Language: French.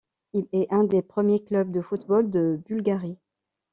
Il est un des premiers clubs de football de Bulgarie.